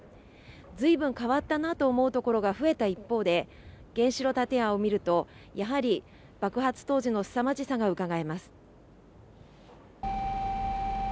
ずいぶん変わったなと思うところが増えた一方で、原子炉建屋を見ると、やはり爆発当時の凄まじさがうかがえます。